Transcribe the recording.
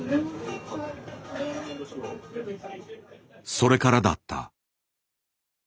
それからだった。